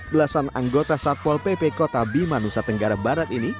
belasan anggota satpol pp kota bima nusa tenggara barat ini